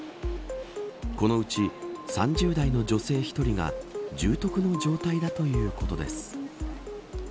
このうち３０代の女性１人が重篤の状態だということです。